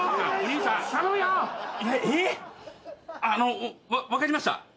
あの分かりました。